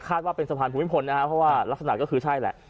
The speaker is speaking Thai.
ว่าเป็นสะพานภูมิพลนะครับเพราะว่ารักษณะก็คือใช่แหละ